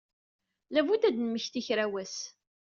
Labudd ad nemmet kra n wass.